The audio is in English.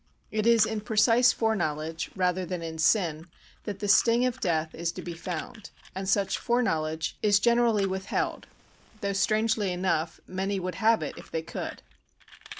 It is in precise fore knowledge, rather than in sin, that the sting of death is to be found; and such fore knowledge is generally withheld; though, strangely enough, many would have it if they could.